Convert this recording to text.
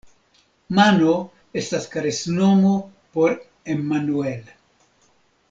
Mano estas karesnomo por Emmanuel.